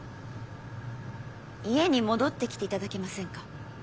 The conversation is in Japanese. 家に戻ってきていただけませんか？